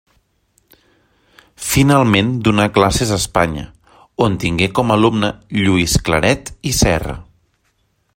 Finalment donà classes a Espanya, on tingué com a alumne Lluís Claret i Serra.